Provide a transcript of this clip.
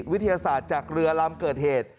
วิทยาศาสตร์จากเรือลำเกิดเหตุ